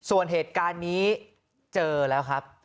ส่วนเหตุการณ์นี้เจอแล้วครับ